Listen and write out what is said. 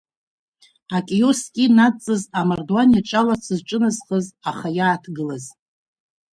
Акиоск инадҵыз, амардуан иаҿаларц зҿыназхаз, аха иааҭгылаз?